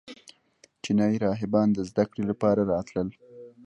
چینایي راهبان د زده کړې لپاره راتلل